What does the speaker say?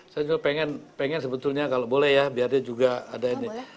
saya juga pengen sebetulnya kalau boleh ya biar dia juga ada ini